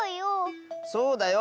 そうだよ！